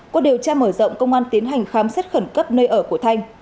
qua điều tra mở rộng công an tiến hành khám xét khẩn cấp nơi ở của thanh